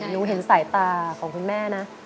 เห็นสายตาของคุณแม่นะ